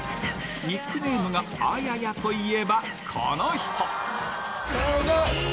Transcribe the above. ニックネームがあややといえば、この人。